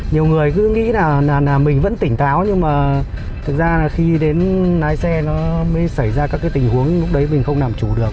nhiều người cứ nghĩ là mình vẫn tỉnh tháo nhưng mà thực ra là khi đến lái xe nó mới xảy ra các tình huống lúc đấy mình không làm chủ được